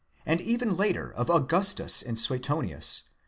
® and even later of Augustus in Suetonius